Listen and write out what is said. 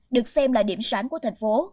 được xem là điểm sáng của thành phố